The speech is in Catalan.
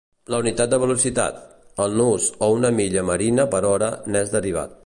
La unitat de velocitat, el nus o una milla marina per hora n'és derivat.